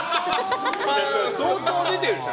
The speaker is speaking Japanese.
相当出てるでしょ